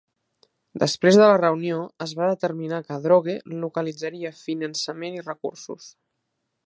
Després de la reunió, es va determinar que Droege localitzaria finançament i recursos.